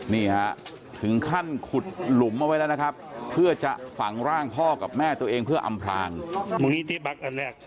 นี่ฮะถึงขั้นขุดหลุมเอาไว้แล้วนะครับเพื่อจะฝังร่างพ่อกับแม่ตัวเองเพื่ออำพลาง